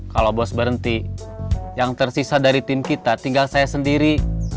kalau bos berhenti yang tersisa dari tim kita tinggal saya sendiri